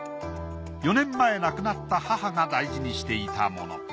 ４年前亡くなった母が大事にしていたもの。